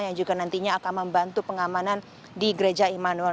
yang juga nantinya akan membantu pengamanan di gereja immanuel